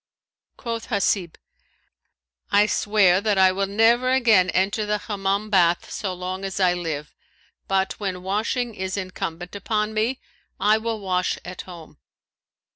Quoth Hasib, "I swear that I will never again enter the Hammam bath so long as I live, but when washing is incumbent on me, I will wash at home."